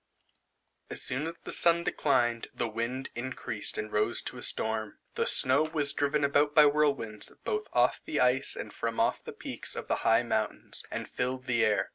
As soon as the sun declined, the wind increased and rose to a storm. The snow was driven about by whirl winds, both on the ice and from off the peaks of the high mountains, and filled the air.